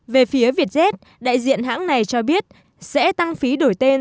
về phía vietjet đại diện hãng này cho biết sẽ tăng phí đổi tên